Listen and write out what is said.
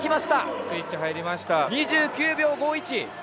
２９秒５１。